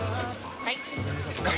はい。